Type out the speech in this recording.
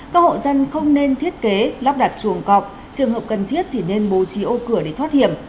các hộ dân không nên thiết kế lắp đặt chuồng cọp trường hợp cần thiết thì nên bố trí ô cửa để thoát hiểm